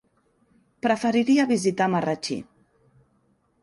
Preferiria visitar Marratxí.